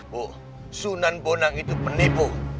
bu sunan bonang itu penipu